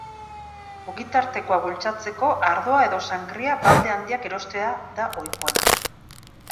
Ogitartekoa bultzatzeko ardoa edo sangria balde handiak erostea da ohikoena.